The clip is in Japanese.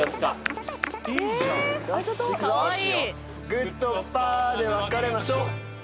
グーとパーで分かれましょ。